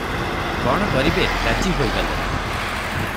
କଣ କରିବେ, ରାଜି ହୋଇଗଲେ ।